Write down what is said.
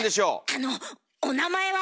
あのお名前は？